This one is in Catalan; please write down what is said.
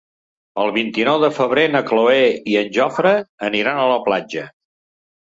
El vint-i-nou de febrer na Cloè i en Jofre aniran a la platja.